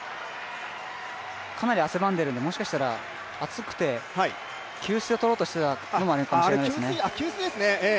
かなり汗ばんでいるので、もしかしたら暑くて給水を取ろうとしているのかもしれないですね。